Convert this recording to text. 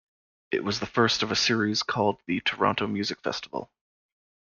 It was the first of a series called the Toronto Music Festival.